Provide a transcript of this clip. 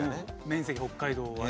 面積北海道は。